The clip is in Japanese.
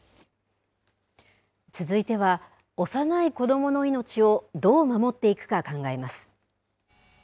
続いては、幼い子どもの命を、どう守っていくか考えます。